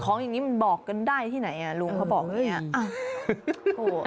ของอย่างนี้มันบอกกันได้ที่ไหนอ่ะลุงเขาบอกเนี่ย